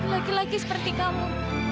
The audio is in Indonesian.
laki laki seperti kamu